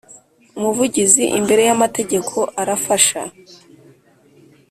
Umuvugizi imbere y Amategeko arafasha